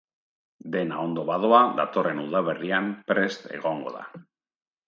Dena ondo badoa, datorren udaberrian prest egongo da.